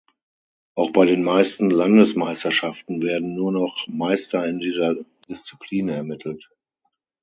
Auch bei den meisten Landesmeisterschaften werden nur noch Meister in dieser Disziplin ermittelt.